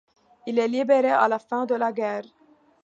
Il est libéré à la fin de la guerre.